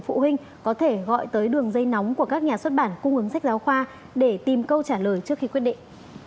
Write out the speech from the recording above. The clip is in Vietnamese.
phụ huynh có thể gọi tới đường dây nóng của các nhà xuất bản cung ứng sách giáo khoa để tìm câu trả lời trước khi quyết định